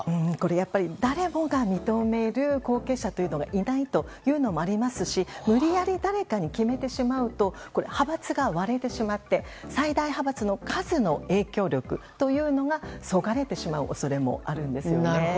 やっぱり誰もが認める後継者というのがいないというのもありますし無理やり誰かに決めてしまうと派閥が割れてしまって最大派閥の、数の影響力というのがそがれてしまう恐れもあるんですよね。